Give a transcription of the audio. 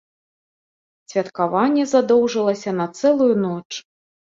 Святкаванне задоўжылася на цэлую ноч.